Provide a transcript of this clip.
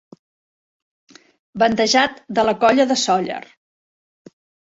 Bandejat de la Colla de Sóller.